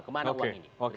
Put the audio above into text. kemana uang ini